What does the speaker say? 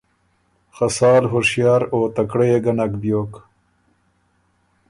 خه سال هُشیار او تکړۀ يې ګه نک بیوک